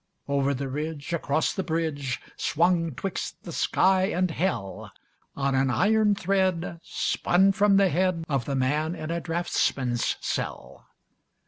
Over the ridge, Across the bridge, Swung twixt the sky and hell, On an iron thread Spun from the head Of the man in a draughtsman's cell.